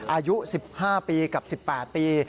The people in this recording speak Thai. อายุ๑๕ปีกับ๑๘ปี